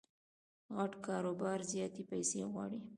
غټ کاروبار زیاتي پیسې غواړي.